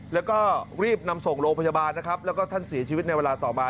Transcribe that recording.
แล้วก็รีบนำส่งโรงพยาบาลนะครับแล้วก็ท่านเสียชีวิตในเวลาต่อมา